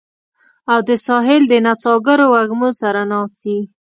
او د ساحل د نڅاګرو وږمو سره ناڅي